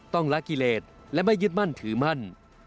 ละกิเลสและไม่ยึดมั่นถือมั่น